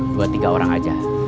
dua tiga orang aja